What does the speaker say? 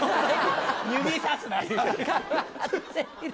指さすな。